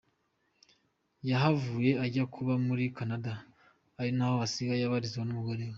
Yahavuye ajya kuba muri Canada ari naho asigaye abarizwa n’umugore we.